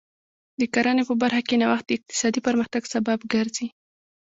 د کرنې په برخه کې نوښت د اقتصادي پرمختګ سبب ګرځي.